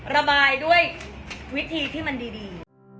ระบายด้วยวิธีที่มันดี